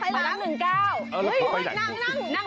ยิ่ยยยยยนั่งงงนั่งเลยนั่งเลย